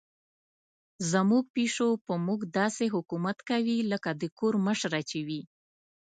زموږ پیشو په موږ داسې حکومت کوي لکه د کور مشره چې وي.